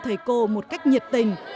thầy cô một cách nhiệt tình